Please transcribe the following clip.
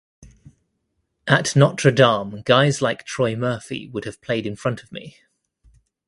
At Notre Dame guys like Troy Murphy would have played in front of me.